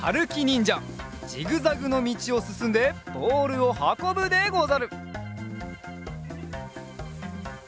んじゃジグザグのみちをすすんでボールをはこぶでござる！